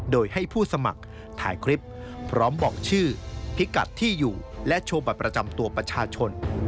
โดยให้ผู้สมัครถ่ายคลิปพร้อมบอกชื่อพิกัดที่อยู่และโชว์บัตรประจำตัวประชาชน